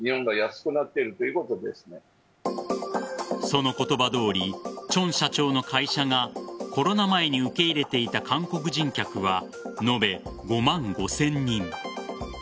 その言葉どおりチョン社長の会社がコロナ前に受け入れていた韓国人客は延べ５万５０００人。